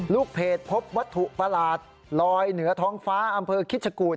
ลูกเพจพบวัตถุประหลาดลอยเหนือท้องฟ้าอำเภอคิชกูธ